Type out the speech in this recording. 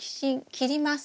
切ります。